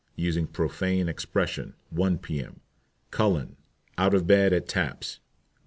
Using profane expression, 1 P.M. CULLEN. Out of bed at taps.